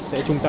sẽ trung tâm